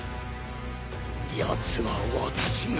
やつは私が。